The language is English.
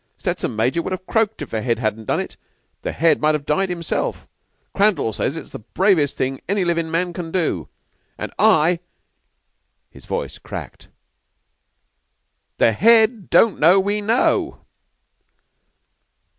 Stettson major would have croaked if the Head hadn't done it. The Head might have died himself. Crandall says it's the bravest thing any livin' man can do, and I" his voice cracked "the Head don't know we know!"